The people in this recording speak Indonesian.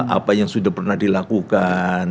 apa yang sudah pernah dilakukan